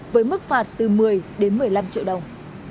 với mức phạt từ một mươi đến một mươi năm triệu đồng